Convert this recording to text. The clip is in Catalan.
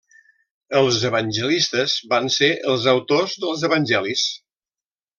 Els evangelistes van ser els autors dels evangelis.